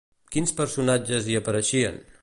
Quins personatges hi apareixien?